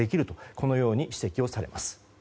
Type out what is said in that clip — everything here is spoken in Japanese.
このように指摘をされます。